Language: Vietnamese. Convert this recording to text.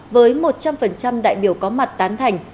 với một trăm linh đại biểu có mặt tán thành